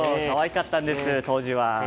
かわいかったんです当時は。